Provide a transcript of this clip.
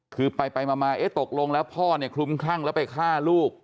คือไปไปมาตกลงแล้วพ่อคลุมคลั่งแล้วไปฆ่าลูก